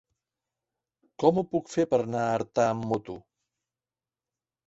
Com ho puc fer per anar a Artà amb moto?